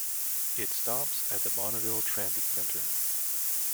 It stops at the Bonneville Transit Center.